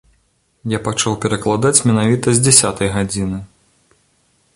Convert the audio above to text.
Я пачаў перакладаць менавіта з дзясятай гадзіны.